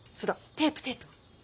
テープテープ。